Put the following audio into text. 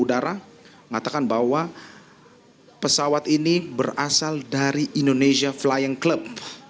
dan saat ini saya mengatakan bahwa pesawat ini berasal dari indonesia flying club